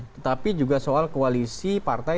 tetapi juga soal koalisi partai